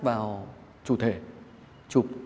vào chủ thể chụp